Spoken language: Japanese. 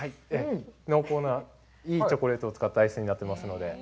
濃厚な、いいチョコレートを使ったアイスになっておりますので。